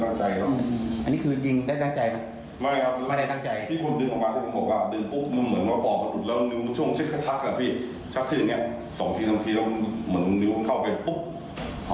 ช่วงเชื๊ยงสองทีสำทีแล้วนิ้วเข้าไปเปิด